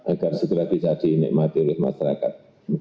agar segera bisa dinikmati oleh masyarakat